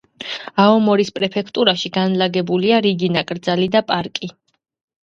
აომორის პრეფექტურაში განლაგებულია რიგი ნაკრძალი და პარკი.